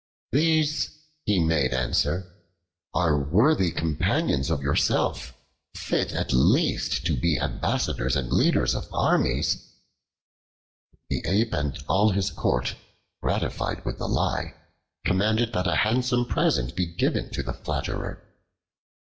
"These," he made answer, "are worthy companions of yourself, fit at least to be ambassadors and leaders of armies." The Ape and all his court, gratified with the lie, commanded that a handsome present be given to the flatterer.